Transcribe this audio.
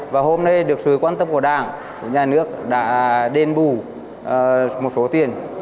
và hôm nay được sự quan tâm của đảng nhà nước đã đền bù một số tiền